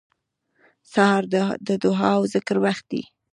سهار د دعا او ذکر وخت دی.